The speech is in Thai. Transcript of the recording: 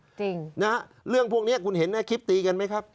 จริงนะฮะเรื่องพวกนี้คุณเห็นในคลิปตีกันไหมครับ